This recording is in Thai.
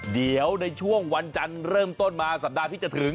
เดี๋ยวในช่วงวันจันทร์เริ่มต้นมาสัปดาห์ที่จะถึง